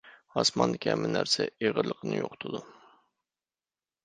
ئاسماندىكى ھەممە نەرسە ئېغىرلىقىنى يوقىتىدۇ.